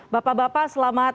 bapak bapak selamat malam